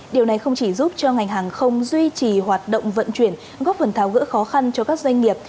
điều này không chỉ giúp cho ngành hàng không duy trì hoạt động vận chuyển góp phần tháo gỡ khó khăn cho các doanh nghiệp